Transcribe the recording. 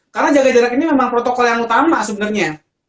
karena jaga jarak ini memang protokol yang utama sebenarnya